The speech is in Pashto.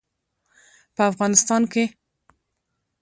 په افغانستان کې بزګان په پراخه کچه شتون لري.